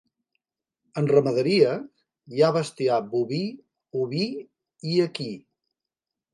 En ramaderia, hi ha bestiar boví, oví i equí.